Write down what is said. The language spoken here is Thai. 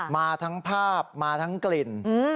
มาทั้งภาพมาทั้งกลิ่น